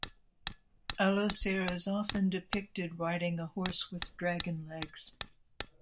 Allocer is often depicted riding a horse with dragon legs.